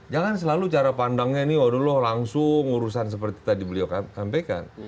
jangan selalu cara pandangnya ini waduh lo langsung urusan seperti tadi beliau sampaikan